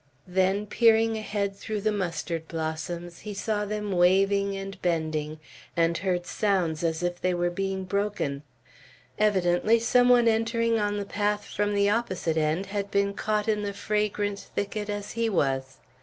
Then, peering ahead through the mustard blossoms, he saw them waving and bending, and heard sounds as if they were being broken. Evidently some one entering on the path from the opposite end had been caught in the fragrant thicket as he was.